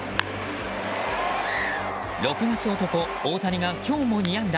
６月男、大谷が今日も２安打。